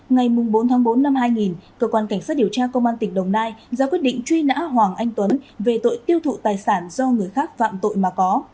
ngày bốn tháng bốn năm hai nghìn cơ quan cảnh sát điều tra công an tỉnh đồng nai ra quyết định truy nã hoàng anh tuấn về tội tiêu thụ tài sản do người khác phạm tội mà có